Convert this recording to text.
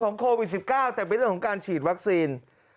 ของโควิด๑๙แต่ไม่ได้เรื่องของการฉีดวัคซีน